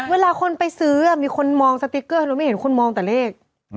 เวลาคนไปซื้อมีคนมองสติ๊กเกอร์เราไม่เห็นคนมองแต่เลข